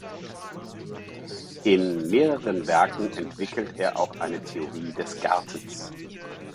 In mehreren Werken entwickelt er auch eine Theorie des Gartens.